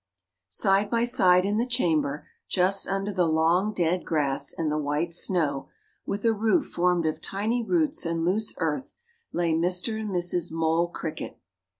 Side by side in the chamber, just under the long, dead grass and the white snow, with a roof formed of tiny roots and loose earth, lay Mr. and Mrs. Mole Cricket.